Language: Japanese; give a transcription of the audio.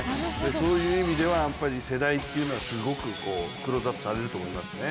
そういう意味では、世代っていうのは、すごくクローズアップされると思いますね。